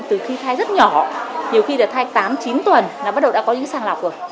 từ khi thai rất nhỏ nhiều khi là thai tám chín tuần là bắt đầu đã có những sàng lọc rồi